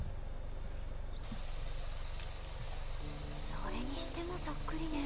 それにしてもそっくりね。